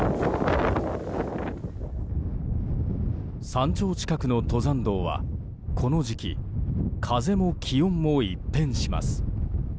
山頂近くの登山道はこの時期風も気温も一変します。